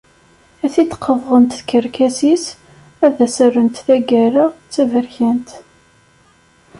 Ad t-id-qeḍɣent tkerkas-is, ad as-rrent taggara-s d taberkant.